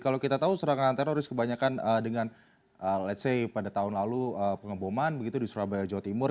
kalau kita tahu serangan teroris kebanyakan dengan ⁇ lets ⁇ say pada tahun lalu pengeboman begitu di surabaya jawa timur